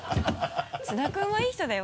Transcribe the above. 津田君はいい人だよ